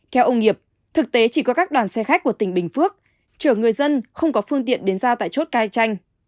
theo ông nghiệp thực tế chỉ có các đoàn xe khách của tỉnh bình phước chở người dân không có phương tiện đến ra tại chốt cai chanh